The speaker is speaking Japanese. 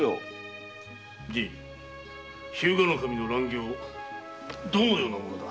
じい日向守の乱行どのようなものだ？